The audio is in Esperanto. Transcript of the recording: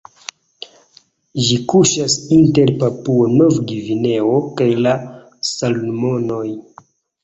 Ĝi kuŝas inter Papuo-Nov-Gvineo kaj la Salomonoj.